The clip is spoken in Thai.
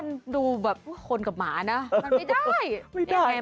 มันดูเสมอผู้คนของหมานะไม่ได้